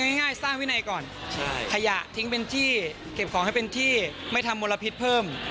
ง่ายสร้างวินัยก่อนขยะทิ้งเป็นที่เก็บของให้เป็นที่ไม่ทำมลพิษเพิ่ม